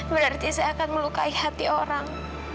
berarti saya akan melukai hati orang